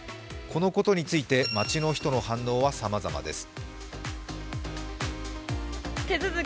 このことについて街の人の反応はさまざまです。